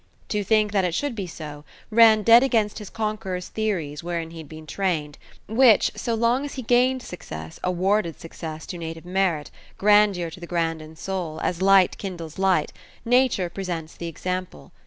To think that it should be so, ran dead against his conqueror's theories wherein he had been trained, which, so long as he gained success awarded success to native merit, grandeur to the grand in soul, as light kindles light: nature presents the example.